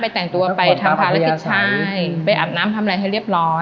แต่งตัวไปทำภารกิจใช่ไปอาบน้ำทำอะไรให้เรียบร้อย